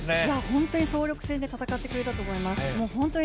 本当に総力戦で戦ってくれたと思います。